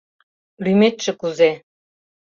— Лӱметше кузе?